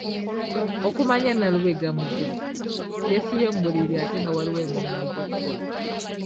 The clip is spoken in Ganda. Okumanya Nalubega muzibu yeebisse mu buliri ate nga waliwo emirimu egy'okukola.